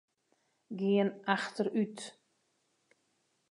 Gean achterút.